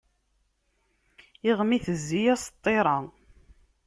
Iɣmi, tezzi-yas ṭṭiṛa.